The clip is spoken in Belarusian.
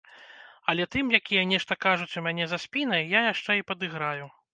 Але тым, якія нешта кажуць у мяне за спінай, я яшчэ і падыграю.